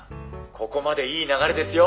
ここまでいい流れですよ。